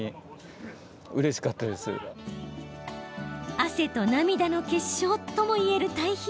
汗と涙の結晶ともいえる堆肥。